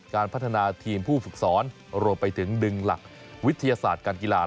การพัฒนาทีมผู้ฝึกสอนรวมไปถึงดึงหลักวิทยาศาสตร์การกีฬา